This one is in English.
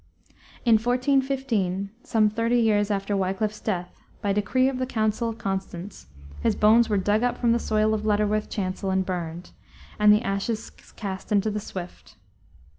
In 1415; some thirty years after Wiclif's death, by decree of the Council of Constance, his bones were dug up from the soil of Lutterworth chancel and burned, and the ashes cast into the Swift.